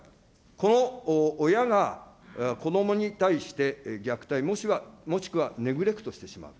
この親が子どもに対して虐待、もしくはネグレクトしてしまう。